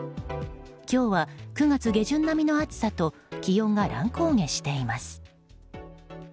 今日は９月下旬並みの暑さと気温が乱高下しています。